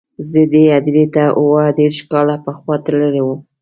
زه دې هدیرې ته اووه دېرش کاله پخوا تللی وم.